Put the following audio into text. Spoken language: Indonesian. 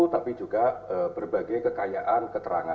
tapi juga berbagai kekayaan keterangan